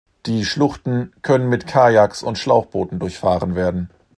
Die Schluchten können mit Kajaks und Schlauchbooten durchfahren werden.